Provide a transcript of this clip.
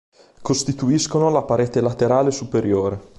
Costituiscono la parete laterale e superiore.